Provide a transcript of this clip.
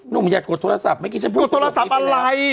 นุ่มอยากกดโทรศัพท์เมื่อกี้ฉันพูดกดโทรศัพท์ไปแล้วกดโทรศัพท์อะไร